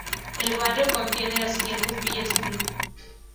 El barrio contiene las siguientes villas: Bonfim.